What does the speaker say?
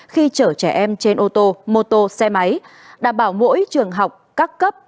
khi chở trẻ em trên ô tô mô tô xe máy đảm bảo mỗi trường học các cấp